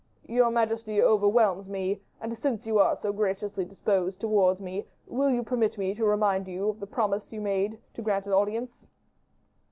"Your majesty overwhelms me, and since you are so graciously disposed towards me, will you permit me to remind you of the promise made to grant an audience?"